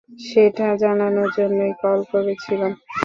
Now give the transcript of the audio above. সেটা জানানোর জন্যই কল করেছিলাম।